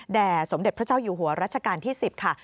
สมเด็จพระเจ้าอยู่หัวรัชกาลที่๑๐ค่ะ